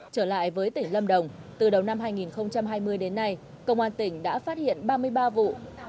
trở lại với tỉnh lâm đồng từ đầu năm hai nghìn hai mươi đến nay công an tỉnh đã phát hiện ba mươi ba vụ